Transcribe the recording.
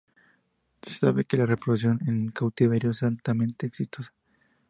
Se sabe que la reproducción en cautiverio es altamente exitosa.